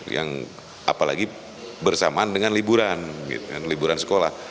yang apalagi bersamaan dengan liburan liburan sekolah